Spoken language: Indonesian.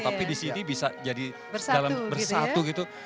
tapi di sini bisa jadi dalam bersatu gitu